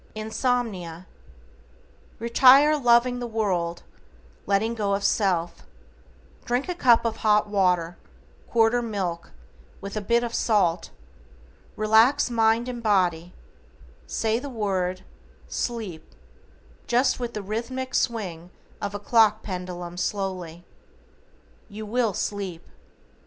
=INSOMNIA:= Retire loving the world, letting go of self. Drink a cup of hot water, quarter milk, with a bit of salt. Relax mind and body, say the word, SLEEP just with the rhythmic swing of a clock pendulum slowly. YOU WILL SLEEP.